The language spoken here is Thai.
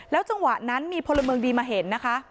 จังหวะนั้นมีพลเมืองดีมาเห็นนะคะ